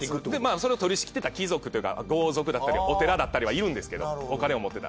それを取り仕切っていた貴族というか豪族だったりお寺だったりはいるんですけどお金を持ってた。